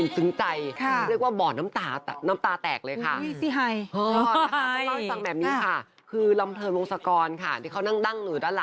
เพราะว่าเป็นคนที่แบบว่าผลักดันเข้าสู่วงการ